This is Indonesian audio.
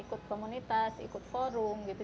ikut komunitas ikut forum gitu